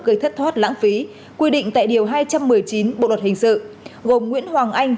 gây thất thoát lãng phí quy định tại điều hai trăm một mươi chín bộ luật hình sự gồm nguyễn hoàng anh